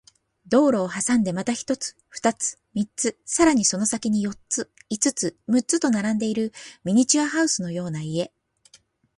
道路を挟んでまた一つ、二つ、三つ、さらにその先に四つ、五つ、六つと並んでいるミニチュアハウスのような家